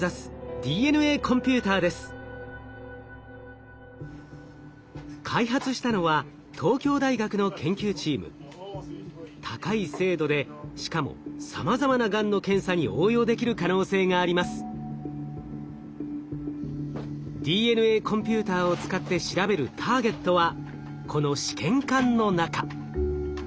ＤＮＡコンピューターを使って調べるターゲットはこの試験管の中。